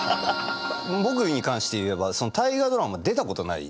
僕に関して言えば「大河ドラマ」出たことない。